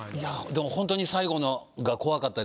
でもホントに最後のが怖かったですね。